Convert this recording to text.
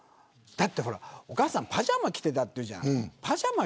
お母さん、パジャマ着てたっていうじゃん。